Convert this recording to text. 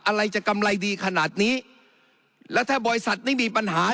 อะไรจะกำไรดีขนาดนี้แล้วถ้าบริษัทไม่มีปัญหา